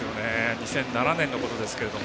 ２００７年のことですけど。